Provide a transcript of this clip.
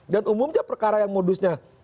dan umumnya perkara yang modusnya